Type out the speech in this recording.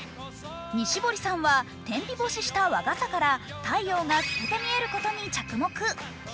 西堀さんは天日干しした和傘から太陽が透けて見えることに着目。